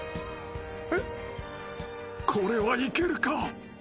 ［これはいけるか？］